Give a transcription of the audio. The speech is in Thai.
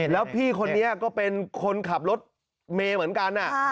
แล้วพี่คนนี้ก็เป็นคนขับรถเมย์เหมือนกัน